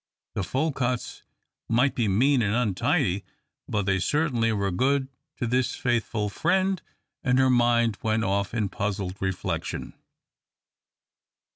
The Folcutts might be mean and untidy, but they certainly were good to this faithful friend, and her mind went off in puzzled reflection.